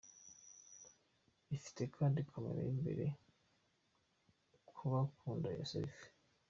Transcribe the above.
ifite kandi camera y’imbere kubakunda selfie.